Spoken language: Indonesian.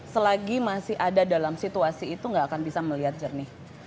selagi masih ada dalam situasi itu nggak akan bisa melihat jernih